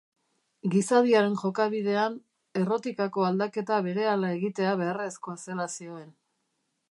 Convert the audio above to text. Gizadiaren jokabidean, errotikako aldaketa berehala egitea beharrezkoa zela zioen.